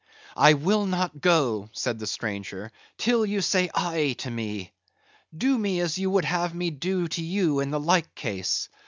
"I will not go," said the stranger, "till you say aye to me. Do to me as you would have me do to you in the like case.